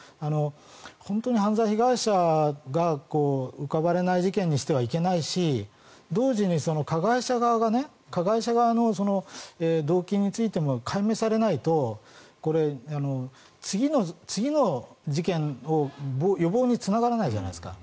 本当に犯罪被害者が浮かばれない事件にしてはいけないし同時に加害者側の動機についても解明されないとこれ、次の事件の予防につながらないじゃないですか。